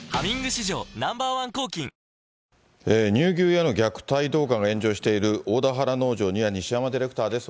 史上Ｎｏ．１抗菌乳牛への虐待動画で炎上している大田原農場には西山ディレクターです。